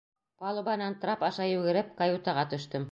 Палубанан трап аша йүгереп, каютаға төштөм.